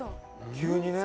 急にね。